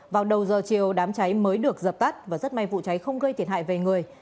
vào đầu giờ chiều đám cháy mới được dập tắt và rất may vụ cháy không gây thiệt hại về người